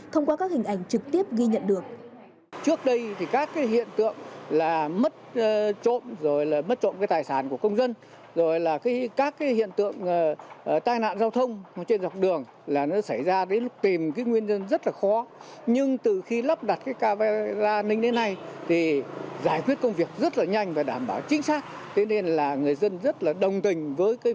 thông qua các hình ảnh trực tiếp ghi nhận được